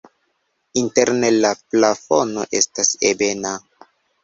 Interne la plafono estas ebena.